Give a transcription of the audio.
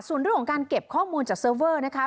ส่วนเรื่องของการเก็บข้อมูลจากเซิร์ฟเวอร์นะคะ